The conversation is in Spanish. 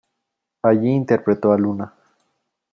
Allí interpretó a Luna.